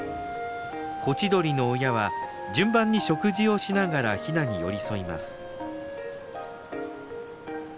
コチドリの親は順番に食事をしながらヒナに寄り添います。